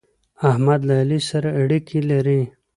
احمد له علي سره اړېکې لري.